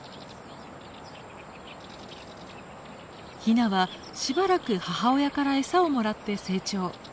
ヒナはしばらく母親から餌をもらって成長。